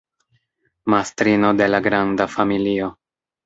Mastrino de la granda familio.